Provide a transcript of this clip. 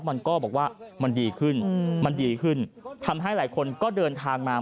มันก็บอกว่ามันดีขึ้นมันดีขึ้นทำให้หลายคนก็เดินทางมา